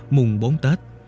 mùng bốn tết